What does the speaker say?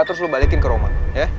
terus lu balikin ke roman